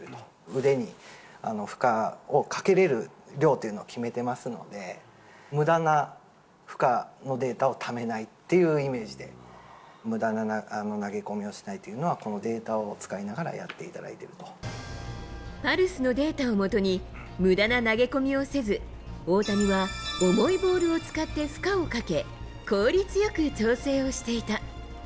腕に負荷をかけれる量というのを決めてますので、むだな負荷のデータをためないというイメージで、むだな投げ込みをしないというのは、このデータを使いながら、パルスのデータを基に、むだな投げ込みをせず、大谷は重いボールを使って負荷をかけ、効率よく調整をしていた。